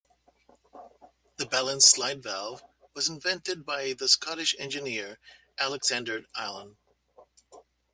The balanced slide valve was invented by the Scottish engineer Alexander Allan.